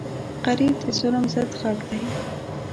غریب د ظلم ضد غږ دی